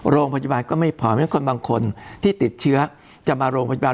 โรงพยาบาลก็ไม่พอบางคนที่ติดเชื้อจะมาโรงพยาบาล